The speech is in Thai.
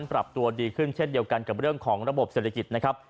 ปรับตัวดีขึ้นเช่นเดียวกันกับเรื่องของระบบเศรษฐกิจนะครับ